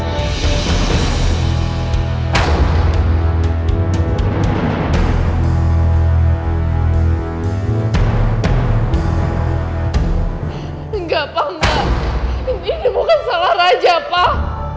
enggak pak ini bukan salah raja pak